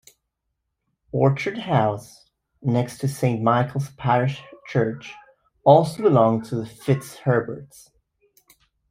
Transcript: Orchard House, next to Saint Michael's parish church, also belonged to the FitzHerberts.